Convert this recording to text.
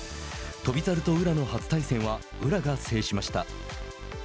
翔猿と宇良の初対戦は宇良が制しました。